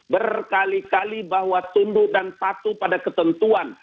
berkali kali bahwa tunduk dan patuh pada ketentuan